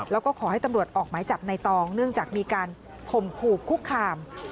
แล้วก็ขอให้ตำรวจออกหมายจับในตองเนื่องจากมีการข่มขู่คุกคาม